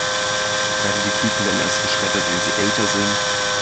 Werden die Küken dann erst geschreddert, wenn sie älter sind?